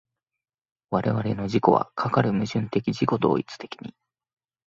我々の自己はかかる矛盾的自己同一的に